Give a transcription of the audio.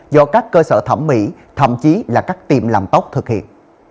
do các cơ sở thẩm mỹ thậm chí là các tiệm làm tóc thực hiện